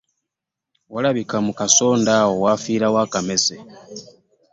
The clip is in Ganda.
Walabika mu kasonda awo waafiirawo akamese.